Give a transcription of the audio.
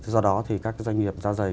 do đó thì các cái doanh nghiệp da dày